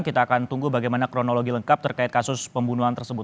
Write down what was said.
kita akan tunggu bagaimana kronologi lengkap terkait kasus pembunuhan tersebut